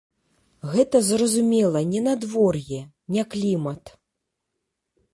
Гэта, зразумела, не надвор'е, не клімат.